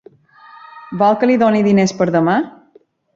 Vol que li doni diners per demà?